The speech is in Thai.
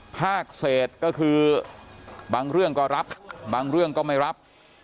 ภาคเศษก็คือบางเรื่องก็รับบางเรื่องก็ไม่รับ